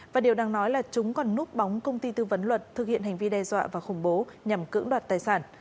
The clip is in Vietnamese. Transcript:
và điều đang nói là chúng còn núp bóng công ty tư vấn luật thực hiện hành vi đe dọa và khủng bố nhằm cưỡng đoạt tài sản